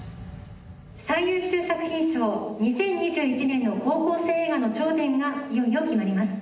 ２０２１年の高校生映画の頂点がいよいよ決まります。